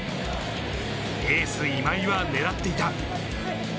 エース・今井は狙っていた。